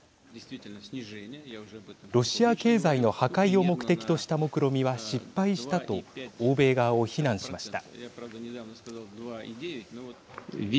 ロシア経済の破壊を目的としたもくろみは失敗したと欧米側を非難しました。